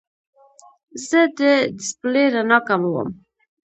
زه د ډیسپلې رڼا کموم.